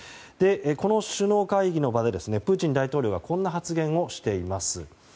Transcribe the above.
この首脳会議の場でプーチン大統領はこんな発言をしています。